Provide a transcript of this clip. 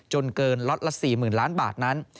เกินล็อตละ๔๐๐๐ล้านบาทนั้น